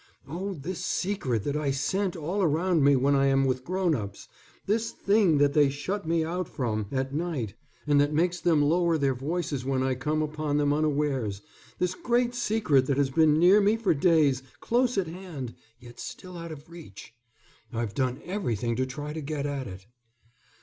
Oh, this secret that I scent all around me when I am with grown ups, this thing that they shut me out from at night, and that makes them lower their voices when I come upon them unawares, this great secret that has been near me for days, close at hand, yet still out of reach. I've done everything to try to get at it."